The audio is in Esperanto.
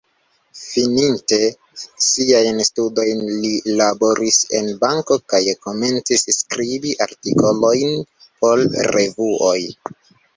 Fininte siajn studojn, li laboris en banko kaj komencis skribi artikolojn por revuoj.